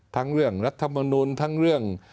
ทั้งเรื่องรัฐมนุนทั้งเรื่อง